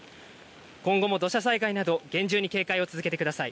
今後も土砂災害など厳重に警戒を続けてください。